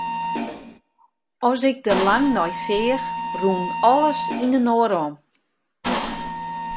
As ik der lang nei seach, rûn alles yninoar om.